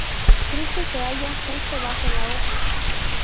Cristo se halla justo bajo la hoja.